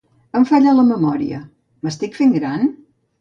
Em falla la memòria. M'estic fent gran?